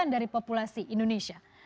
dari populasi indonesia